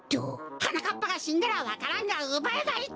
はなかっぱがしんだらわか蘭がうばえないってか！